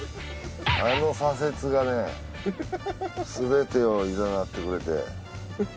あの左折がねすべてをいざなってくれて。